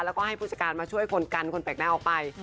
แล้วก็ให้ผู้จัดการมาช่วยคนกันคนแปลกหน้าออกไป